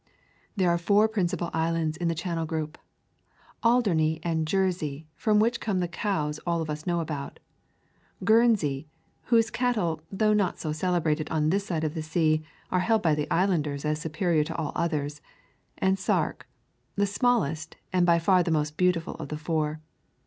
There are four principal islands in the Channel group: Alderney and Jersey, from which come the cows all of us know about; Guernsey, whose cattle, though not so celebrated on this side of the sea, are held by the islanders as superior to all others; and Sark, the smallest and by far the most beautiful of the four.